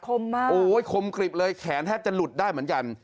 มากโอ้ยคมกริบเลยแขนแทบจะหลุดได้เหมือนกัน